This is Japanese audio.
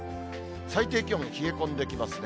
最低気温、冷え込んできますね。